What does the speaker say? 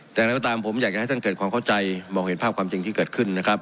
แต่อย่างไรก็ตามผมอยากจะให้ท่านเกิดความเข้าใจมองเห็นภาพความจริงที่เกิดขึ้นนะครับ